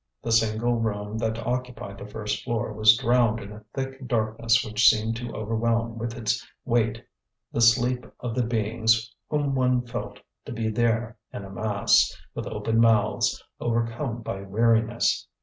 The single room that occupied the first floor was drowned in a thick darkness which seemed to overwhelm with its weight the sleep of the beings whom one felt to be there in a mass, with open mouths, overcome by weariness.